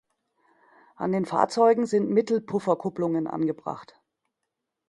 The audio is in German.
An den Fahrzeugen sind Mittelpufferkupplungen angebracht.